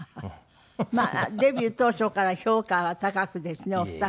まあデビュー当初から評価は高くですねお二方は。